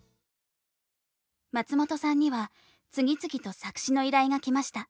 松本さんには次々と作詞の依頼が来ました。